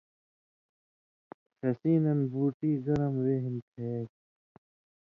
ݜسیں دن بُوٹی گرم وے ہِن کھیائ